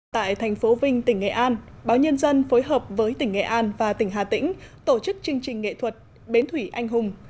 tại thành phố vinh tỉnh nghệ an báo nhân dân phối hợp với tỉnh nghệ an và tỉnh hà tĩnh tổ chức chương trình nghệ thuật bến thủy anh hùng